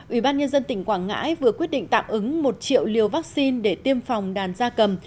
ubnd tỉnh quảng ngãi vừa quyết định tạm ứng một triệu liều vaccine để tiêm phòng đàn gia cầm